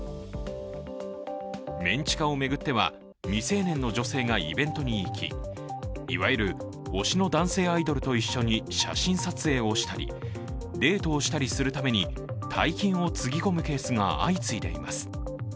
メン地下を巡っては未成年の女性がイベントに行きいわゆる推しの男性アイドルと一緒に写真撮影をしたりデートをしたりするために大金をつぎ込むケースが相次いでいます。